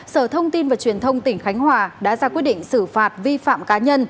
sở thông tin và truyền thông tỉnh khánh hòa đã ra quyết định xử phạt vi phạm cá nhân